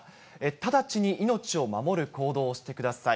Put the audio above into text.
直ちに命を守る行動をしてください。